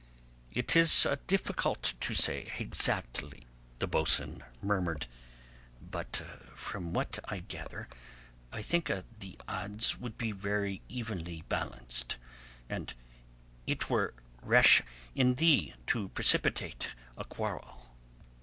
"It is difficult to say exactly," the boatswain murmured, "but from what I gather I think the odds would be very evenly balanced, and it were rash in thee to precipitate a quarrel."